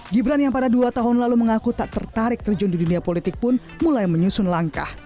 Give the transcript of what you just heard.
gibran yang pada dua tahun lalu mengaku tak tertarik terjun di dunia politik pun mulai menyusun langkah